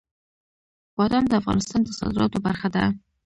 بادام د افغانستان د صادراتو برخه ده.